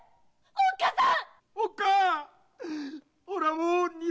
おっかさん？